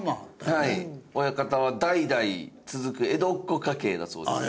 親方は代々続く江戸っ子家系だそうです。